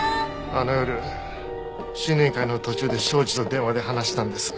あの夜新年会の途中で庄司と電話で話したんです。